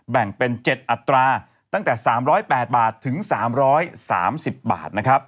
แบ่งเป็น๗อัตราตั้งแต่๓๐๘บาทถึง๓๓๐บาทนะครับ